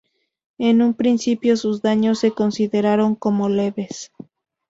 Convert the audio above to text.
En un principio sus daños se consideraron como leves.